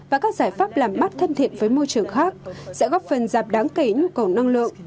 và các giải pháp làm bắt thân thiện với môi trường khác sẽ góp phần giảm đáng kể nhu cầu năng lượng